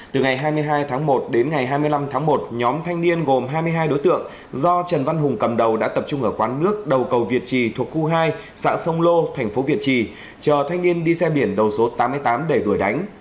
từ ngày hai mươi hai tháng một đến ngày hai mươi năm tháng một nhóm thanh niên gồm hai mươi hai đối tượng do trần văn hùng cầm đầu đã tập trung ở quán nước đầu cầu việt trì thuộc khu hai xã sông lô thành phố việt trì chờ thanh niên đi xe biển đầu số tám mươi tám để đuổi đánh